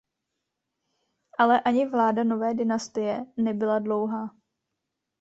Ale ani vláda nové dynastie nebyla dlouhá.